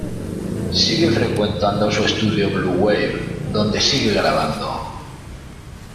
Sigue frecuentando su estudio Blue Wave, donde sigue grabando.